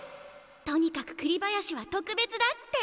とにかく栗林は特別だって。